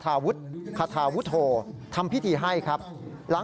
สายลูกไว้อย่าใส่